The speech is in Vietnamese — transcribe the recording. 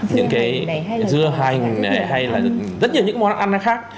những cái dưa hành hay là rất nhiều những món ăn khác